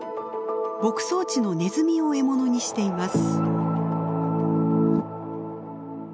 牧草地のネズミを獲物にしています。